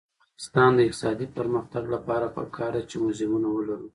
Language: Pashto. د افغانستان د اقتصادي پرمختګ لپاره پکار ده چې موزیمونه ولرو.